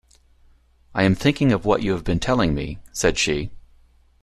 “I am thinking of what you have been telling me,” said she.